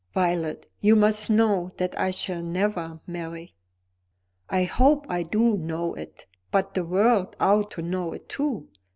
"Violet, you must know that I shall never marry." "I hope I do know it. But the world ought to know it too.